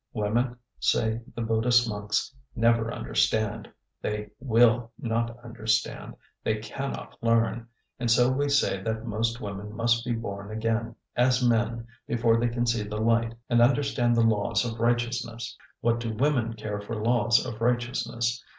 'Women,' say the Buddhist monks, 'never understand. They will not understand; they cannot learn. And so we say that most women must be born again, as men, before they can see the light and understand the laws of righteousness.' What do women care for laws of righteousness?